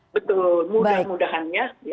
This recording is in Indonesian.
betul mudah mudahan ya